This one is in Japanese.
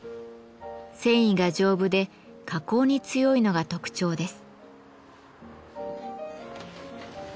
繊維が丈夫で加工に強いのが特徴です。